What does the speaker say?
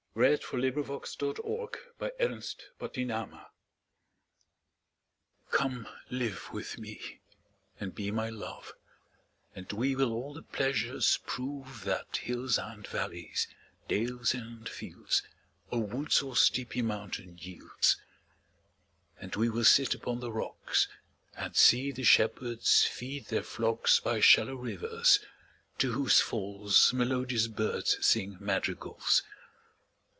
1564–93 121. The Passionate Shepherd to His Love COME live with me and be my Love, And we will all the pleasures prove That hills and valleys, dales and fields, Or woods or steepy mountain yields. And we will sit upon the rocks, 5 And see the shepherds feed their flocks By shallow rivers, to whose falls Melodious birds sing madrigals.